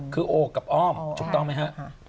คือโอกับอ้อมถูกต้องไหมฮะ